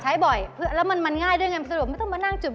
ใช้บ่อยอ่ะแล้วซิฟัณห์ง่ายด้วยเหมือนไม่น่าจะมินอยู่พ่อ